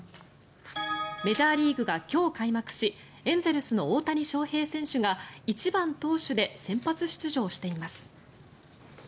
メジャーリーグが今日、開幕しエンゼルスの大谷翔平選手が１番投手で先発出場しています。